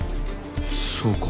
そうか。